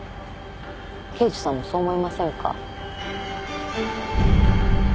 刑事さんもそう思いませんか？